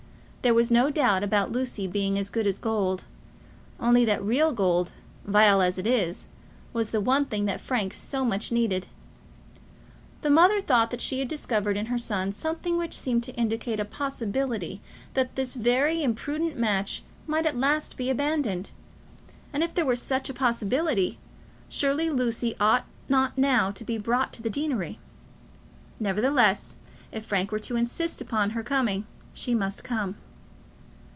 There was no doubt about Lucy being as good as gold; only that real gold, vile as it is, was the one thing that Frank so much needed. The mother thought that she had discovered in her son something which seemed to indicate a possibility that this very imprudent match might at last be abandoned; and if there were such possibility, surely Lucy ought not now to be brought to the deanery. Nevertheless, if Frank were to insist upon her coming, she must come.